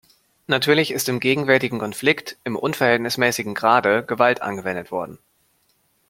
Natürlich ist im gegenwärtigen Konflikt im unverhältnismäßigen Grade Gewalt angewendet worden.